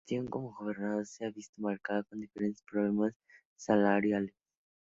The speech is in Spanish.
Su gestión como gobernador se ha visto marcada por diferentes problemas salariales.